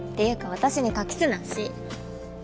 私に隠すなし。